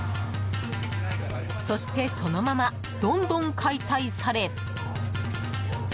そして、そのままどんどん解体され。